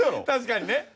確かにね。